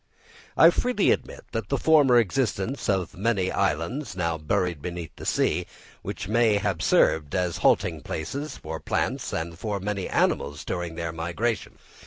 I freely admit the former existence of many islands, now buried beneath the sea, which may have served as halting places for plants and for many animals during their migration.